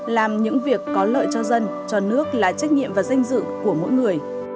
làm những việc có lợi cho dân cho nước là trách nhiệm và danh dự của mỗi người